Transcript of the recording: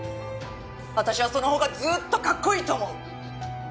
私はそのほうがずーっとかっこいいと思う！